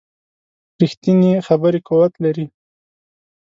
ریښتینې خبرې قوت لري